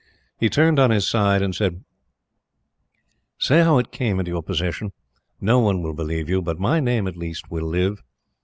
He turned on his side and said: "Say how it came into your possession. No one will believe you, but my name, at least, will live.